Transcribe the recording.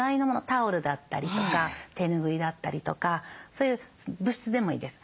タオルだったりとか手拭いだったりとかそういう物質でもいいです。